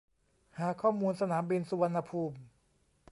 หาข้อมูลสนามบินสุวรรณภูมิ